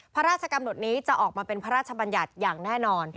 พระราชกำหนดนี้จะออกมาเป็นพระราชบัญญัติอย่างแน่นอน